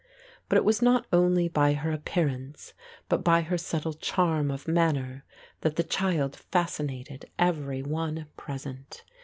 But it was not only by her appearance, but by her subtle charm of manner that the child fascinated every one present.